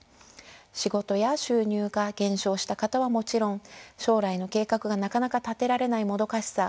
仕事や収入が減少した方はもちろん将来の計画がなかなか立てられないもどかしさ